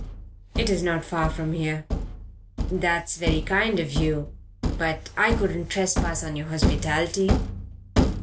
"It is not far from here." "That's very kind of you but I couldn't trespass on your hospitality."